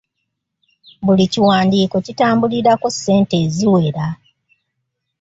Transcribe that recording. Buli kiwandiiko kitambulirako ssente eziwera.